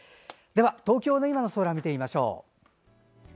では東京の今の空見てみましょう。